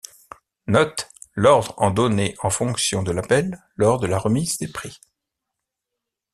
Note: L'ordre en donné en fonction de l'appel lors de la remise des prix.